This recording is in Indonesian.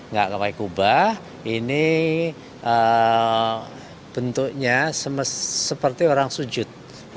gak pakai kubah ini bentuknya seperti orang sujud